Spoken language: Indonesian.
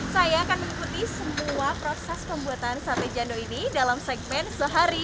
saya akan mengikuti semua proses pembuatan sate jando ini dalam segmen sehari